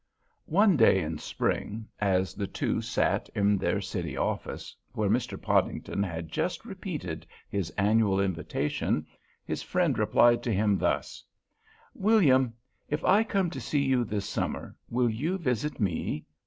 One day in spring as the two sat in their city office, where Mr. Podington had just repeated his annual invitation, his friend replied to him thus: "William, if I come to see you this summer, will you visit me?